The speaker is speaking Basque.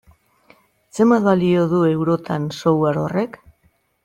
Zenbat balio du, eurotan, software horrek?